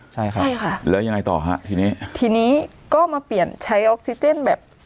ใช่ครับใช่ค่ะแล้วยังไงต่อฮะทีนี้ทีนี้ก็มาเปลี่ยนใช้ออกซิเจนแบบ